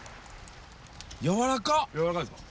やわらか！